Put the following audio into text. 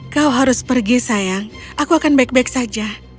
kau harus pergi sayang aku akan baik baik saja